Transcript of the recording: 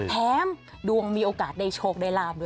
แถมดวงมีโอกาสใดโฉลคใดราวท์ด้วย